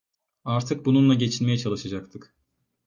Artık bununla geçinmeye çalışacaktık.